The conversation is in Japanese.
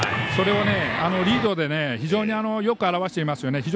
それを、リードで非常によく表していますよね。